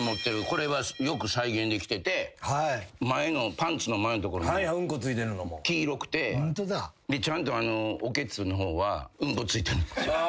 これはよく再現できててパンツの前のところ黄色くてちゃんとおけつの方はうんこついてる。